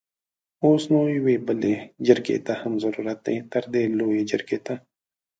اوس نو يوې بلې جرګې ته هم ضرورت دی؛ تردې لويې جرګې ته!